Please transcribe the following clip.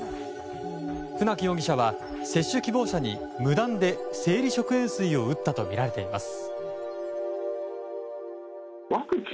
船木容疑者は接種希望者に無断で生理食塩水を打ったとみられています。